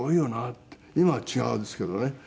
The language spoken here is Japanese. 今は違うんですけどね。